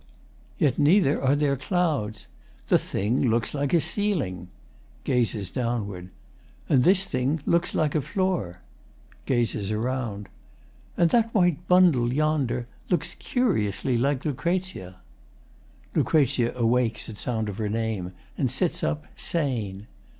Yet neither are there clouds! The thing looks like a ceiling! [Gazes downward.] And this thing Looks like a floor. [Gazes around.] And that white bundle yonder Looks curiously like Lucrezia. [LUC. awakes at sound of her name, and sits up sane.